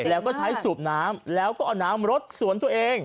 แล้วก็ใช้สูบน้ำแล้วก็เอาน้ำรถสวนตัวเอง